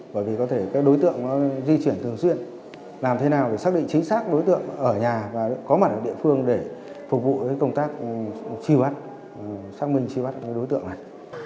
bởi vì có thể đối tượng di chuyển thường xuyên làm thế nào để xác định chính xác đối tượng ở nhà và có mặt ở địa phương để phục vụ công tác chi phát xác minh chi phát đối tượng này